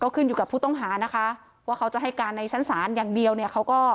เขาจะให้การในชั้นศาลอย่างเดียวเนี่ยเขาก็